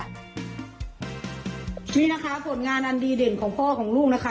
นี่นะคะผลงานอันดีเด่นของพ่อของลูกนะคะ